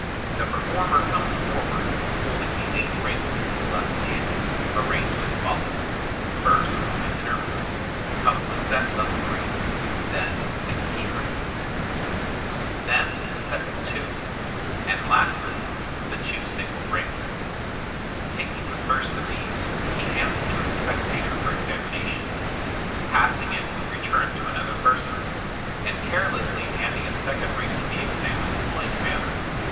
The performer comes forward holding the eight rings in his left hand, arranged as follows. First (i.e ., innermost), comes the set of three j then the " key " ring (the opening uppermost in the hand). MODERN MAGIC. 4°S Fig 238. then the set oi" two ; and lastly, the two single rings. Taking the first of these, he hands it to a spectator for examination j passing it when returned to another person, and carelessly handing a second ring to be examined in like manner.